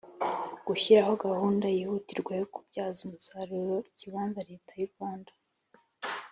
gushyiraho gahunda yihutirwa yo kubyaza umusaruro ikibanza leta y u